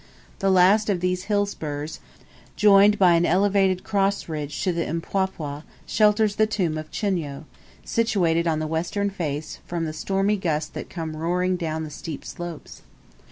The last of these hill spurs, joined by an elevated cross ridge to the Mpwapwa, shelters the tembe of Chunyo, situated on the western face, from the stormy gusts that come roaring down the steep slopes.